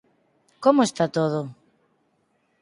Como está todo?